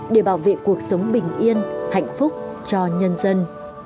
để bảo vệ cuộc sống bình yên hạnh phúc cho nhân dân